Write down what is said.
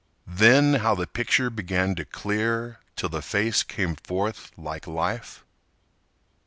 Then how the picture began to clear Till the face came forth like life?